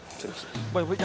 boy jangan boy